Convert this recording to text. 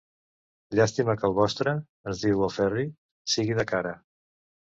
Llàstima que el vostre –ens diu el Ferri– sigui de cara.